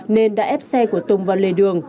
nên đã ép xe của tùng vào lề đường